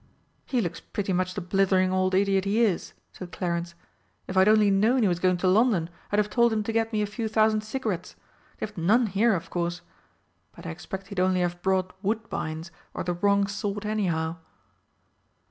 "He looks pretty much the blithering old idiot he is," said Clarence. "If I'd only known he was going to London I'd have told him to get me a few thousand cigarettes they've none here of course. But I expect he'd only have brought 'Woodbines,' or the wrong sort anyhow!"